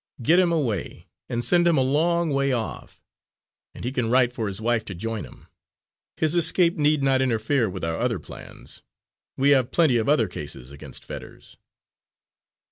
Get him away, and send him a long way off, and he can write for his wife to join him. His escape need not interfere with our other plans. We have plenty of other cases against Fetters."